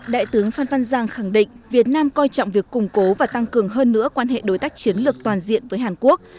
đại tướng phan văn giang khẳng định việt nam coi trọng việc củng cố và tăng cường hơn nữa quan hệ đối tác chiến lược toàn diện với hàn quốc